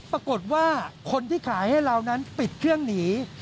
ปรากฏว่าคนที่ขายให้เรานั้นปิดเครื่องหนี